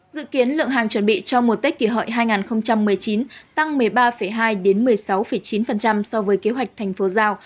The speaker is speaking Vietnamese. dự kiến lượng hàng chuẩn bị cho mùa tết kỷ hợi hai nghìn một mươi chín tăng một mươi ba hai một mươi sáu chín so với kế hoạch thành phố giao